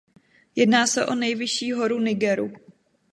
Jedná se o nejvyšší horu Nigeru.